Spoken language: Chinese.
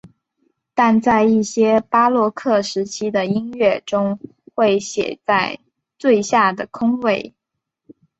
但在一些巴洛克时期的音乐中会写在最下的空位。